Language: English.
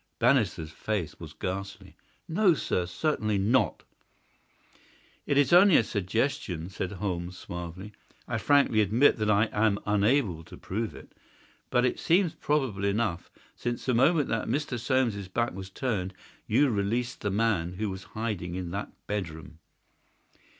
Bannister's face was ghastly. "No, sir; certainly not." "It is only a suggestion," said Holmes, suavely. "I frankly admit that I am unable to prove it. But it seems probable enough, since the moment that Mr. Soames's back was turned you released the man who was hiding in that bedroom."